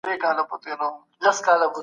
نړیوالي نقشې څخه بشپړ ورک سي».